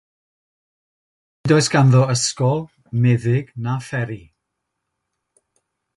Nid oes ganddo ysgol, meddyg na fferi.